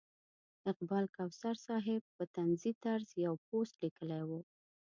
اقبال کوثر صاحب په طنزي طرز یو پوسټ لیکلی و.